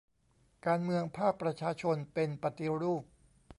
การเมืองภาคประชาชนเป็น 'ปฏิรูป'